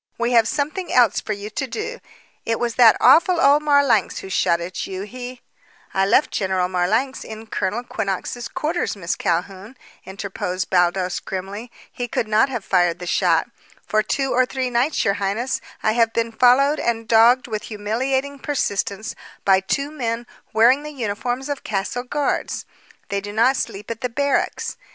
We have something else for you to do. It was that awful old Marlanx who shot at you. He " "I left General Marlanx in Colonel Quinnox's quarters, Miss Calhoun," interposed Baldos grimly. "He could not have fired the shot. For two or three nights, your highness, I have been followed and dogged with humiliating persistence by two men wearing the uniforms of castle guards. They do not sleep at the barracks.